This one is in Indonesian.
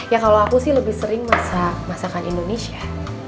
ya kalau aku sih lebih sering masak masakan indonesia